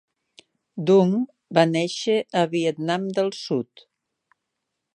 Dung va néixer a Vietnam del sud.